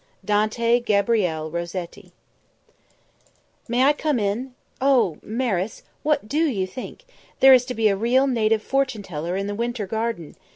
DANTE GABRIEL ROSETTI "May I come in? Oh, Maris, what do you think? There is to be a real native fortune teller in the Winter Garden.